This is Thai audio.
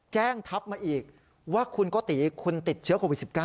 แจ้งทัพมาอีกว่าคุณโกติคุณติดเชื้อโควิด๑๙